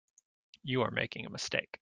You are making a mistake.